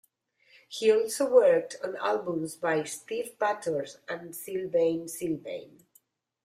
He also worked on albums by Stiv Bators and Sylvain Sylvain.